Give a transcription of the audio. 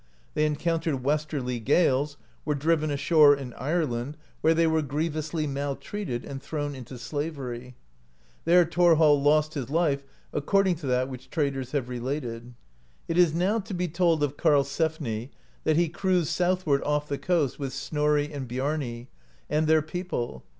They encountered westerly gales, were driven ashore in Ireland, where they were griev ously maltreated and thrown into slavery. There Thor hall lost his life, according to that which traders have related. It is now to be told of Karlsefni, that he cruised south ward off the coast, with Snorri and Biarni, and their people.